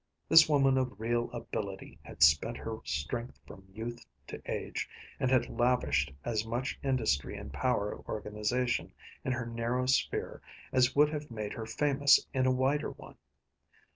This woman of real ability had spent her strength from youth to age, and had lavished as much industry and power of organization in her narrow sphere as would have made her famous in a wider one.